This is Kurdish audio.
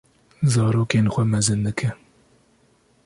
zarokên xwe mezin dike.